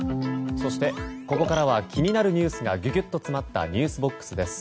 そして、ここからは気になるニュースがギュギュッと詰まったｎｅｗｓＢＯＸです。